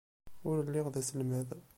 Ul lliɣ d aselmad.